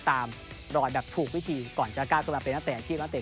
ตามรอดแบบถูกวิธีก่อนจะก้าวขึ้นมาเป็นอาชีพแล้ว